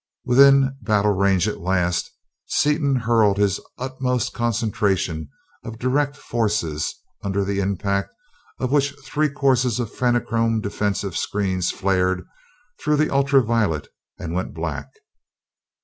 Within battle range at last, Seaton hurled his utmost concentration of direct forces, under the impact of which three courses of Fenachrone defensive screen flared through the ultra violet and went black.